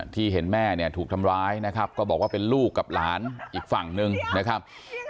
ที่เห็นแม่เนี่ยถูกทำร้ายนะครับก็บอกว่าเป็นลูกกับหลานอีกฝั่งหนึ่งนะครับ